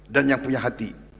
dan yang punya hati